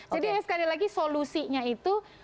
jadi sekali lagi solusinya itu